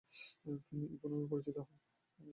তিনি ইভো নামে পরিচিত হন।